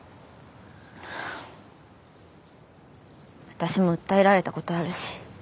私も訴えられた事あるし。